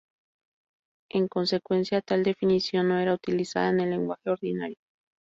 En consecuencia tal definición no era utilizada en el lenguaje ordinario.